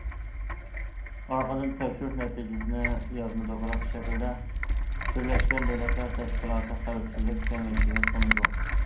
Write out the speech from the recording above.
ئارقىدىن تەكشۈرۈش نەتىجىسىنى يازما دوكلات شەكلىدە بىرلەشكەن دۆلەتلەر تەشكىلاتى خەۋپسىزلىك كېڭىشىگە سۇنىدۇ.